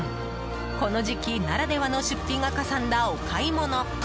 この時期ならではの出費がかさんだお買い物。